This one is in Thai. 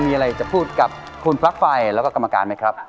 มีอะไรจะพูดกับคุณปลั๊กไฟแล้วก็กรรมการไหมครับ